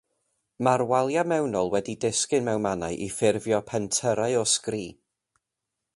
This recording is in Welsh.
Mae'r waliau mewnol wedi disgyn mewn mannau i ffurfio pentyrrau o sgri.